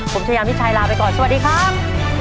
ผมชายามิชัยลาไปก่อนสวัสดีครับ